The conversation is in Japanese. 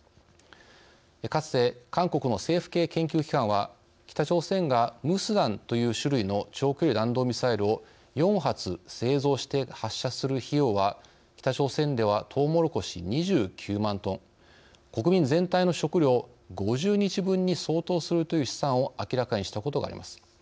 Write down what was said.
かつて韓国の政府系研究機関は北朝鮮がムスダンという種類の長距離弾道ミサイルを４発製造して発射する費用は北朝鮮ではトウモロコシ２９万トン国民全体の食糧５０日分に相当するという試算を明らかにしたことがあります。